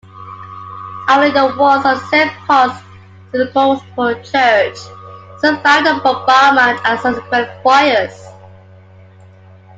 Only the walls of Saint Paul's Episcopal Church survived the bombardment and subsequent fires.